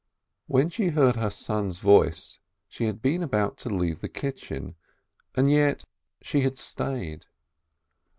When she heard her son's voice, she had been about to leave the kitchen, and yet she had stayed.